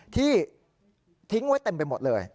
ที่ทิ้งไว้เต็มไปหมดเลย